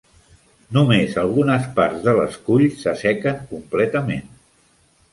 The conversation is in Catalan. Només algunes parts de l'escull s'assequen completament.